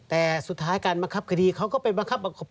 แต่สุดท้ายการบังคับคดีเขาก็ไปบังคับ